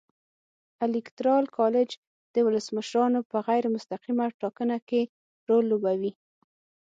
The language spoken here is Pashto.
الېکترال کالج د ولسمشرانو په غیر مستقیمه ټاکنه کې رول لوبوي.